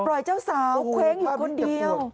เจ้าสาวเคว้งอยู่คนเดียว